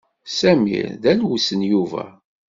Samir d alwes n Yuba.